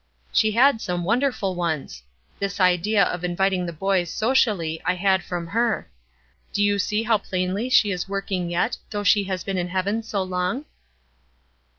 She had some wonderful ones. This idea of inviting the boys, socially, I had from her. Do you see how plainly she is working yet, though she has been in heaven so long?"